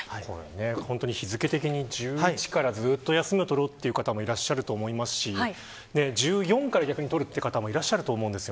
日付的に１１日からずっと休みを取ろうという方もいらっしゃると思いますし１４日から逆に取るという方もいらっしゃると思います。